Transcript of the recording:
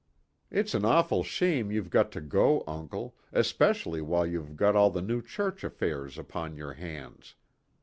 "It's an awful shame you've got to go, uncle, especially while you've got all the new church affairs upon your hands.